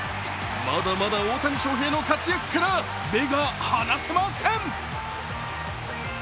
まだまだ大谷翔平の活躍から目が離せません。